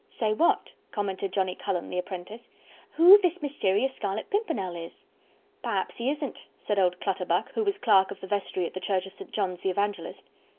"Say what?" commented Johnny Cullen, the apprentice. "Who this mysterious Scarlet Pimpernel is." "Perhaps he isn't," said old Clutterbuck, who was clerk of the vestry at the church of St. John's the Evangelist.